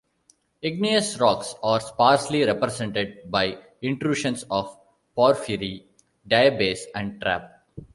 Igneous rocks are sparsely represented by intrusions of porphyry, diabase, and trap.